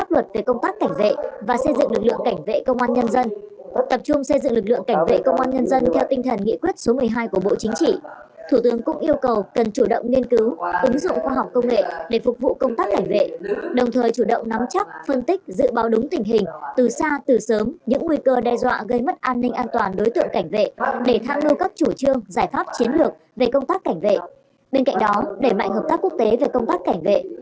lực lượng cảnh vệ công an nhân dân theo tinh thần nghị quyết số một mươi hai của bộ chính trị thủ tướng cũng yêu cầu cần chủ động nghiên cứu ứng dụng khoa học công nghệ để phục vụ công tác cảnh vệ đồng thời chủ động nắm chắc phân tích dự báo đúng tình hình từ xa từ sớm những nguy cơ đe dọa gây mất an ninh an toàn đối tượng cảnh vệ để tham lưu các chủ trương giải pháp chiến lược về công tác cảnh vệ bên cạnh đó để mạnh hợp tác quốc tế về công tác cảnh vệ